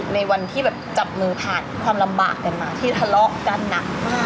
ในวันที่แบบจับมือผ่านความลำบากกันมาที่ทะเลาะกันหนักมาก